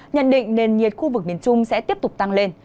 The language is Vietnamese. nhận định nền nhiệt khu vực miền trung sẽ tiếp tục tăng lên